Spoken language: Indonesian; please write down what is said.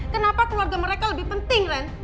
kenapa keluarga mereka lebih penting kan